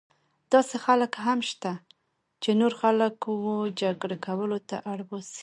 داسې خلک هم شته چې نور خلک وه جګړې کولو ته اړ باسي.